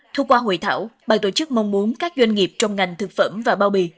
thu qua hội thảo bàn tổ chức mong muốn các doanh nghiệp trong ngành thực phẩm và bao bì